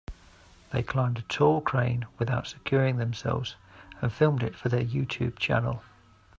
They climbed a tall crane without securing themselves and filmed it for their YouTube channel.